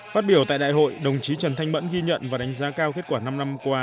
phát biểu tại đại hội đồng chí trần thanh mẫn ghi nhận và đánh giá cao kết quả năm năm qua